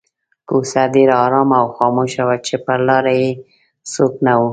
کوڅه ډېره آرامه او خاموشه وه چې پر لاره یې څوک نه وو.